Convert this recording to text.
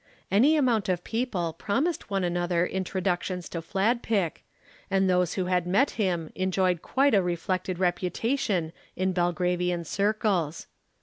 Any amount of people promised one another introductions to Fladpick, and those who had met him enjoyed quite a reflected reputation in Belgravian circles.